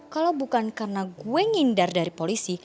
kalau bukan karena gue ngindar dari polisi